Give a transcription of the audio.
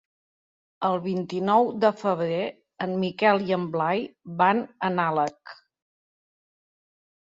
El vint-i-nou de febrer en Miquel i en Blai van a Nalec.